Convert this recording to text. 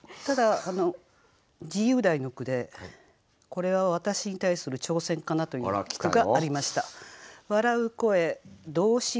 ただ自由題の句でこれは私に対する挑戦かなという句がありました。